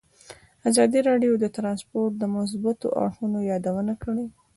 ازادي راډیو د ترانسپورټ د مثبتو اړخونو یادونه کړې.